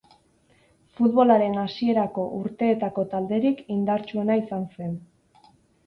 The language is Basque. Futbolaren hasierako urteetako talderik indartsuena izan zen.